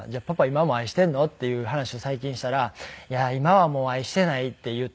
今も愛してんの？」っていう話を最近したら「いや今はもう愛していない」って言って。